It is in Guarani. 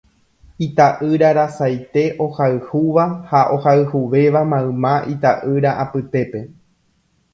Ita'yra rasaite ohayhúva ha ohayhuvéva mayma ita'ýra apytépe.